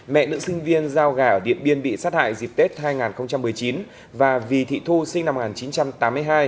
mẹ nữ sinh viên giao gà ở điện biên bị sát hại dịp tết hai nghìn một mươi chín và vì thị thu sinh năm một nghìn chín trăm tám mươi hai